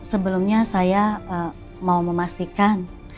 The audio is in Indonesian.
namanya saya mau memastikan